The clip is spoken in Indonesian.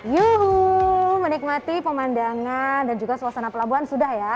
yuhuu menikmati pemandangan dan juga suasana pelabuhan sudah ya